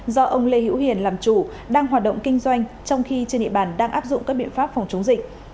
do ông lê hữu hiền làm chủ đang hoạt động kinh doanh trong khi trên địa bàn đang áp dụng các biện pháp phòng chống dịch